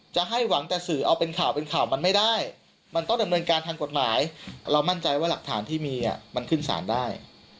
จะให้หวังแต่สื่อเอาเป็นข่าวเป็นข่าวมันไม่ได้มันต้องดำเนินการทางกฎหมายเรามั่นใจว่าหลักฐานที่มีมันขึ้นสารได้